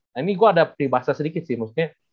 nah ini gue ada pribahasa sedikit sih maksudnya